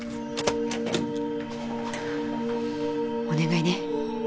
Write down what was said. お願いね。